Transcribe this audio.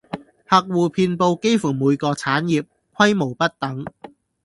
客戶遍佈幾乎每個產業，規模不等